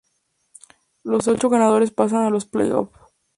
Los ocho ganadores pasan a los play-offs.